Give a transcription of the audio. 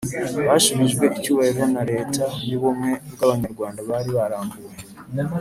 bashubijwe icyubahiro na Leta y ubumwe bw Abanyarwanda bari barambuwe